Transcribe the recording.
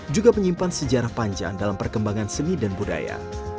juga menyimpan sejarah panjang dalam perkembangan seni dan budaya